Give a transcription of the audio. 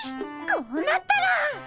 こうなったら。